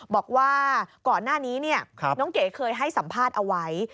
บอกว่าก่อนหน้านี้น้องเก๋เคยให้สัมภาษณ์เอาไว้